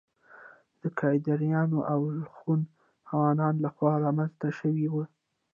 د کيداريانو او الخون هونانو له خوا رامنځته شوي وو